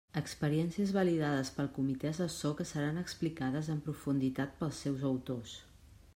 Experiències validades pel comitè assessor que seran explicades en profunditat pels seus autors.